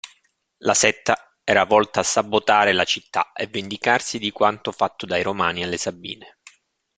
La setta era volta a sabotare la città e vendicarsi di quanto fatto dai Romani alle Sabine.